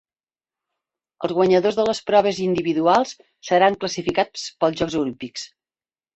Els guanyadors de les proves individuals seran classificats pels Jocs Olímpics.